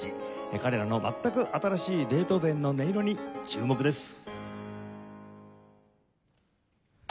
彼らの全く新しいベートーヴェンの音色に注目です。